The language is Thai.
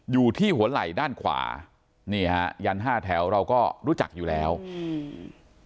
อยู่ที่หัวไหล่ด้านขวานี่ฮะยันห้าแถวเราก็รู้จักอยู่แล้วอืม